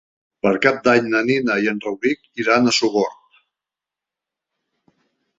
Per Cap d'Any na Nina i en Rauric iran a Sogorb.